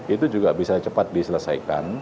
itu juga bisa cepat diselesaikan